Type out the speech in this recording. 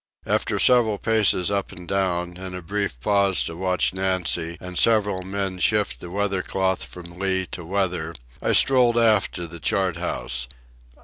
After several paces up and down, and a brief pause to watch Nancy and several men shift the weather cloth from lee to weather, I strolled aft to the chart house.